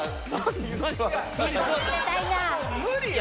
無理や。